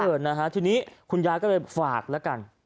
นะฮะทีนี้คุณยายก็เลยฝากแล้วกัน